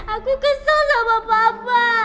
aku kesel sama papa